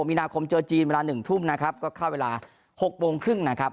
มีนาคมเจอจีนเวลา๑ทุ่มนะครับก็เข้าเวลา๖โมงครึ่งนะครับ